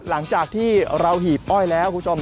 หลังจากที่เราหีบอ้อยแล้วคุณผู้ชม